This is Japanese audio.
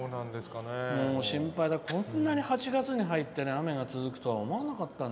もう心配だこんなに８月に入ってね、雨が続くとは思わなかったね。